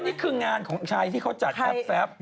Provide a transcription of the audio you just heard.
นี่คืองานของชายที่เขาจัดแอป